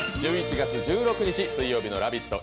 １１月１６日、水曜日の「ラヴィット！」。